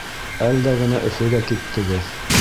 Әлдә генә Өфөгә киттегеҙ.